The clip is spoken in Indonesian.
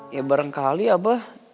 ya barangkali abah